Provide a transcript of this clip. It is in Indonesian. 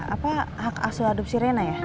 apa hak asuh adupsi rena ya